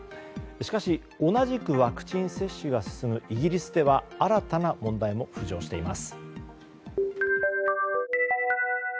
しかし同じくワクチン接種が進むイギリスでは新たな問題も浮上しています。